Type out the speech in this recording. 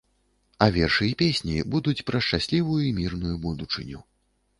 А вершы і песні будуць пра шчаслівую і мірную будучыню.